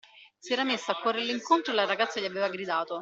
Si era messo a correrle incontro e la ragazza gli aveva gridato.